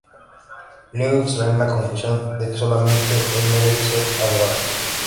Luego extraen la conclusión de que solamente El merece ser adorado.